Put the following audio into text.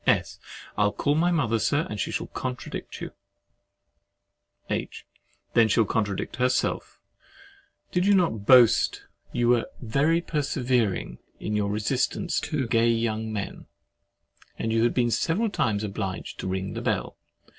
S. I'll call my mother, Sir, and she shall contradict you. H. Then she'll contradict herself. But did not you boast you were "very persevering in your resistance to gay young men," and had been "several times obliged to ring the bell?"